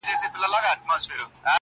علم انسان روښانه ساتي.